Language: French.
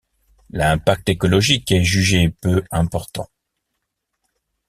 L'impact écologique est jugé peu important.